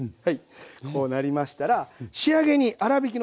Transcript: こうなりましたら仕上げに粗びきの黒こしょう。